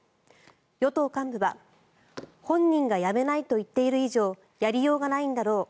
与党幹部は本人が辞めないと言っている以上やりようがないんだろう